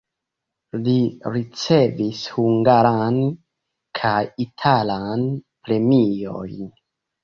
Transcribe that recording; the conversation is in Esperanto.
Li ricevis hungaran kaj italan premiojn.